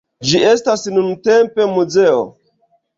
Ĝi estas nuntempe muzeo.